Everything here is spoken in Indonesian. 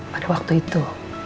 pada waktu itu